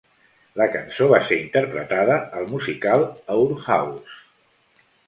La cançó va ser interpretada al musical "Our House".